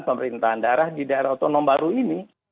pemerintahan daerah di daerah otonom baru ini